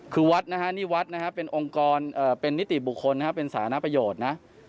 คือวัดเป็นองค์กรเป็นนิติบุคคลเป็นศานะประโยชน์